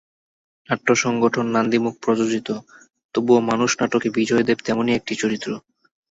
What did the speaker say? নাট্য সংগঠন নান্দীমুখ প্রযোজিত তবুও মানুষ নাটকে বিজয় দেব তেমনই একটি চরিত্র।